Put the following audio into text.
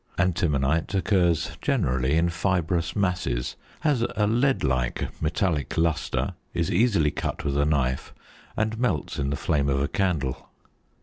Antimonite occurs generally in fibrous masses, has a lead like metallic lustre, is easily cut with a knife, and melts in the flame of a candle.